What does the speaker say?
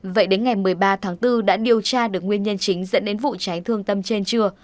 vậy đến ngày một mươi ba tháng bốn đã điều tra được nguyên nhân chính dẫn đến vụ cháy thương tâm trên chưa